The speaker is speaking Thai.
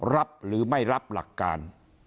รับหรือไม่รับหลักการ